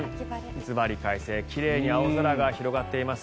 ずばり快晴奇麗に青空が広がっています。